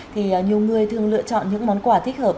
thì nhiều người thường lựa chọn những món quà thích hợp